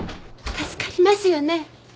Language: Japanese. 助かりますよね？